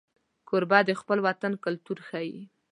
کوربه د خپل وطن کلتور ښيي.